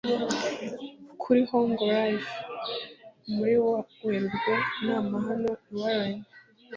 Kuri Hog Reeve muri Werurwe Inama hano i Warren